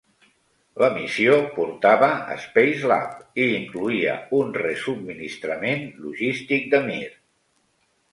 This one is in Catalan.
La missió portava Spacelab i incloïa un resubministrament logístic de "Mir".